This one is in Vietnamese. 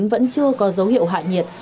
vẫn chưa có dấu hiệu hạ nhiệt